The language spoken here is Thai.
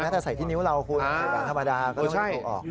หรือแม้แต่ใส่ที่นิ้วเราคุยแบบธรรมดาก็ไม่ตกออก